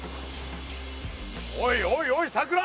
おいおいおいさくら！